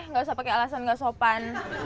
nggak usah pakai alasan nggak sopan